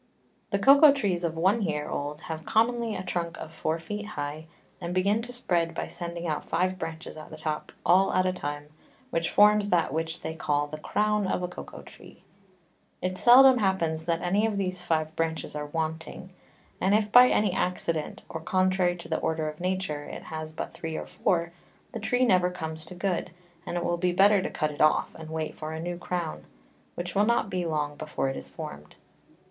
The Cocao Trees of one Year old have commonly a Trunk of four Feet high, and begin to spread, by sending out five Branches at the top, all at a time, which forms that which they call the Crown of a Cocao Tree. It seldom happens that any of these five Branches are wanting, and if by any Accident, or contrary to the Order of Nature, it has but three or four, the Tree never comes to good, and it will be better to cut it off, and wait for a new Crown, which will not be long before it is form'd.